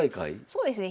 そうですね。